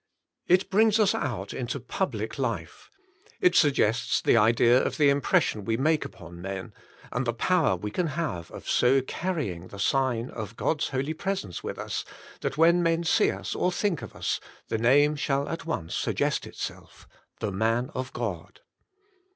It brings us out into public life, it suggests the idea of the impression we make upon men, and the power we can have of so carrying the sign of God^s holy presence with us that when men see us or think of us, the name shall at once suggest itself — The Man of God.